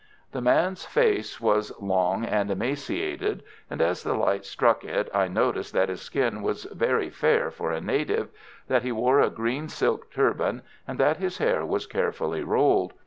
The man's face was long and emaciated, and, as the light struck it, I noticed that his skin was very fair for a native, that he wore a green silk turban, and that his hair was carefully rolled.